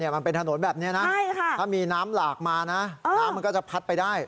มันเป็นถนนแบบนี้นะถ้ามีน้ำหลากมานะน้ำมันก็จะพัดไปได้